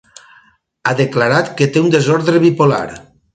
Ha declarat que té un desordre bipolar.